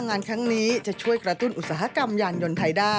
งานค้างนี้จะช่วยกระตุ้นอุสัมภาษณ์